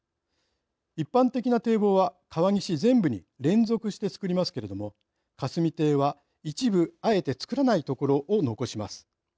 一般的な堤防は川岸全部に連続して造りますけれども霞堤は、一部あえて造らない所を残します。